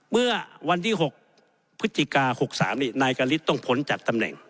เมื่อวันที่๖พฤศจิกา๖๓นายกฤทธิต้องพ้นจากตำแหน่ง